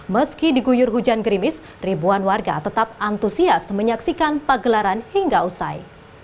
meski diguyur hujan gerimis ribuan warga tetap antusias menyaksikan pagelaran hingga usai